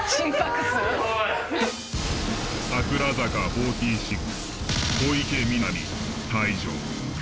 櫻坂４６小池美波退場。